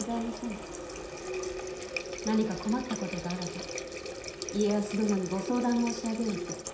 何か困ったことがあらば家康殿にご相談申し上げよと殿下が。